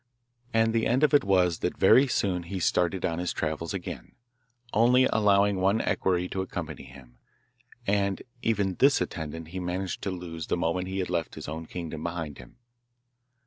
And the end of it was that very soon he started on his travels again, only allowing one equerry to accompany him, and even this attendant he managed to lose the moment he had left his own kingdom behind him.